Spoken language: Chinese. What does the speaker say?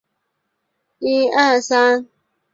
该公司独立拥有北京定陵机场。